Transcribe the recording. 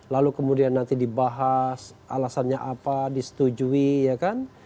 lalu kemudian nanti dibahas alasannya apa disetujui ya kan